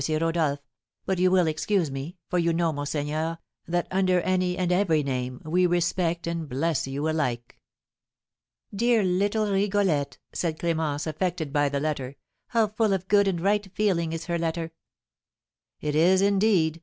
Rodolph, but you will excuse me, for you know, monseigneur, that under any and every name we respect and bless you alike." "Dear little Rigolette!" said Clémence, affected by the letter; "how full of good and right feeling is her letter!" "It is, indeed!"